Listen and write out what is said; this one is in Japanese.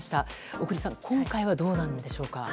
小栗さん、今回はどうでしょうか。